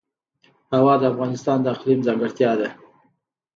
هوا د افغانستان د اقلیم ځانګړتیا ده.